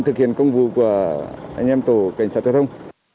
thực hiện vấn đề tài trọng